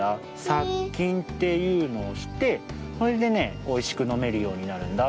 さっきんっていうのをしてそれでねおいしくのめるようになるんだ。